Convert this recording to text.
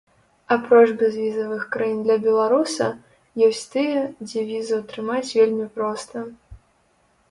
Апроч бязвізавых краін для беларуса, ёсць тыя, дзе візу атрымаць вельмі проста.